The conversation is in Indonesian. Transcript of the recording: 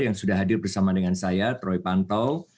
yang sudah hadir bersama dengan saya troy pantau